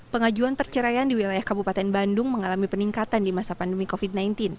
pengajuan perceraian di wilayah kabupaten bandung mengalami peningkatan di masa pandemi covid sembilan belas